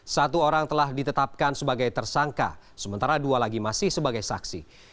satu orang telah ditetapkan sebagai tersangka sementara dua lagi masih sebagai saksi